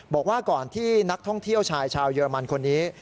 บอกว่าก่อนที่นักท่องเที่ยวชายชาวเยอรมันคนนี้